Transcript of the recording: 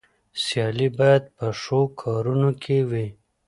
سيالي بايد په ښو کارونو کې وي.